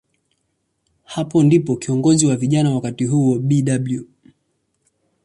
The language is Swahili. Hapo ndipo kiongozi wa vijana wakati huo, Bw.